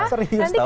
serius tau lah